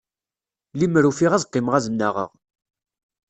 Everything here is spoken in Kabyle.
Limer ufiɣ ad qqimeɣ ad nnaɣeɣ.